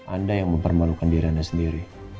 anda yang mempermalukan diri anda sendiri